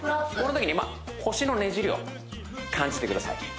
このときにまあ腰のねじりを感じてください